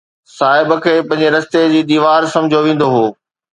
صاحب کي پنهنجي رستي جي ديوار سمجهيو ويندو هو.